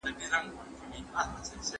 دلارام د فراه او نیمروز ترمنځ د پله غوندي دی